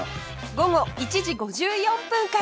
午後１時５４分から